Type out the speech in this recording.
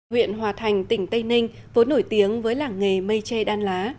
huyện hòa thành tỉnh tây ninh vốn nổi tiếng với làng nghề mây tre đan lá